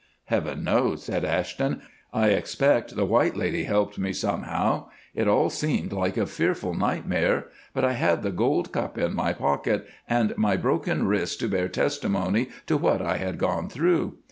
"Heaven knows," said Ashton, "I expect the White Lady helped me somehow. It all seemed like a fearful nightmare, but I had the gold cup in my pocket and my broken wrist to bear testimony to what I had gone through.